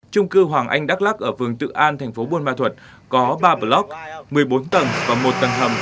trung cư hoàng anh đắk lắc ở phường tự an thành phố buôn ma thuật có ba block một mươi bốn tầng và một tầng hầm